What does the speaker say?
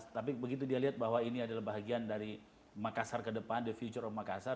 tapi begitu dia lihat bahwa ini adalah bahagian dari makassar ke depan the future of makassar